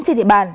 trên địa bàn